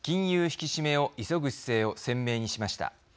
引き締めを急ぐ姿勢を鮮明にしました。